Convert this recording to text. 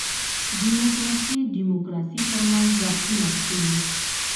دیموکراسي دیموکراسي تر منځ بحثونه شوي.